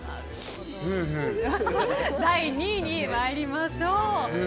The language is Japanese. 第２位に参りましょう。